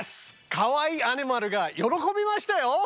カワイイアニマルが喜びましたよ！